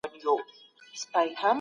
ده وویل چي سرمایه داري زیانونه لري.